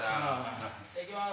行きます。